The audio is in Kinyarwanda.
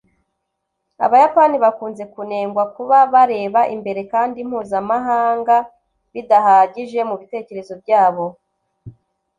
abayapani bakunze kunengwa kuba bareba imbere kandi mpuzamahanga bidahagije mubitekerezo byabo